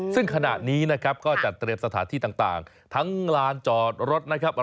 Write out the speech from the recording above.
ซึ่งขณะนี้นะครับก็จัดเตรียมสถานที่ต่างทั้งลานจอดรถนะครับ